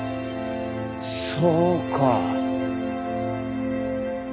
そうか。